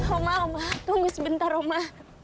oma omah tunggu sebentar oma